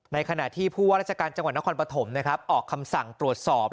ขณะที่ผู้ว่าราชการจังหวัดนครปฐมนะครับออกคำสั่งตรวจสอบ